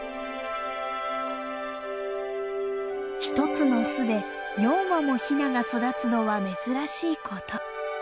１つの巣で４羽もヒナが育つのは珍しいこと。